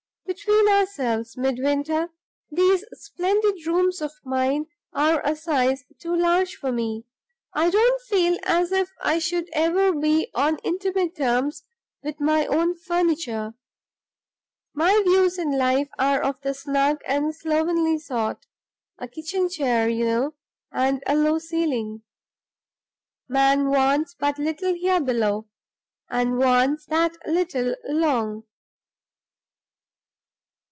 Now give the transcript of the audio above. Between ourselves, Midwinter, these splendid rooms of mine are a size too large for me; I don't feel as if I should ever be on intimate terms with my own furniture. My views in life are of the snug and slovenly sort a kitchen chair, you know, and a low ceiling. Man wants but little here below, and wants that little long.